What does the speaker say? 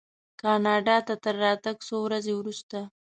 کاناډا ته تر راتګ څو ورځې وروسته.